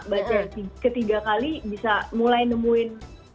baca ketiga kali bisa mulai nemuin